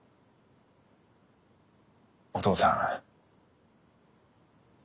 お父さん。